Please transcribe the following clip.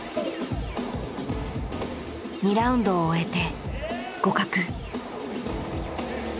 ２ラウンドを終えて互角。